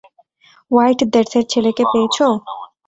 White ডেথের ছেলেকে পেয়েছো?